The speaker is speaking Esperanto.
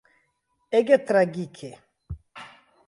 Ege tragike.